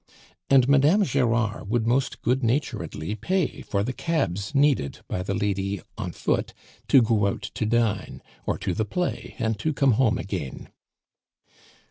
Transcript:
And Madame Gerard would most good naturedly pay for the cabs needed by the lady "on foot" to go out to dine, or to the play, and to come home again.